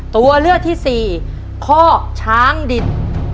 ตัวเลือกที่สี่คอกช้างดิน